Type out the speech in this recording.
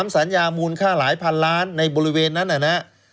สัญญามูลค่าหลายพันล้านในบริเวณนั้นนะครับ